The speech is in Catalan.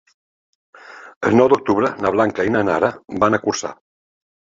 El nou d'octubre na Blanca i na Nara van a Corçà.